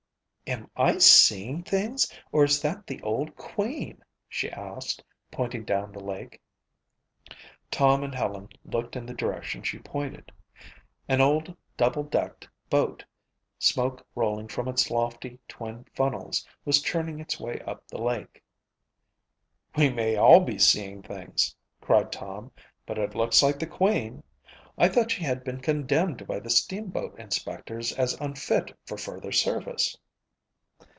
"Am I seeing things or is that the old Queen?" she asked, pointing down the lake. Tom and Helen looked in the direction she pointed. An old, double decked boat, smoke rolling from its lofty, twin funnels, was churning its way up the lake. "We may all be seeing things," cried Tom, "but it looks like the Queen. I thought she had been condemned by the steamboat inspectors as unfit for further service."